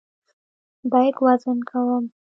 بیک وزن کوم.